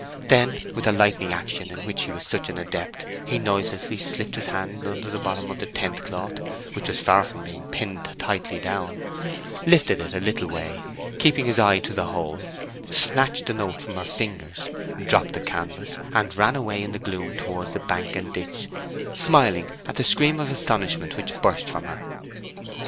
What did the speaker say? Then, with the lightning action in which he was such an adept, he noiselessly slipped his hand under the bottom of the tent cloth, which was far from being pinned tightly down, lifted it a little way, keeping his eye to the hole, snatched the note from her fingers, dropped the canvas, and ran away in the gloom towards the bank and ditch, smiling at the scream of astonishment which burst from her.